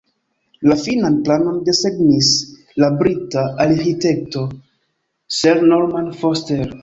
La finan planon desegnis la brita arĥitekto Sir Norman Foster.